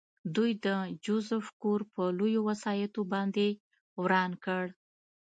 دوی د جوزف کور په لویو وسایطو باندې وران کړ